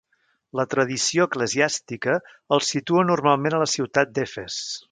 La tradició eclesiàstica els situa normalment a la ciutat d'Efes.